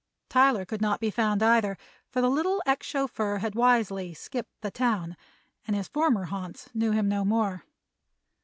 Tyler could not be found, either, for the little ex chauffeur had wisely "skipped the town" and his former haunts knew him no more.